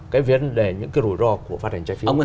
cái vấn đề những cái rủi ro của phát hành trái phiếu